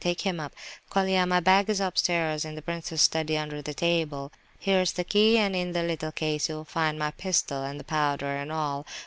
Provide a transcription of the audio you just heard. Take him up, Colia; my bag is upstairs in the prince's study, under the table. Here's the key, and in the little case you'll find my pistol and the powder, and all.